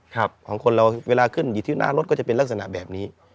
ของคนเราเวลาขึ้นอยู่ที่หน้ารถก็จะเป็นลักษณะแบบนี้